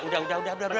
udah siang bang ojo